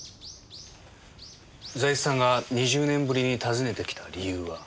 財津さんが２０年ぶりに訪ねてきた理由は？